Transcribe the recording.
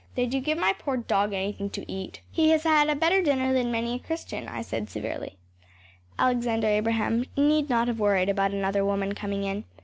Did you give my poor dog anything to eat?‚ÄĚ “He has had a better dinner than many a Christian,‚ÄĚ I said severely. Alexander Abraham need not have worried about another woman coming in.